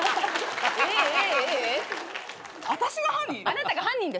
あなたが犯人です。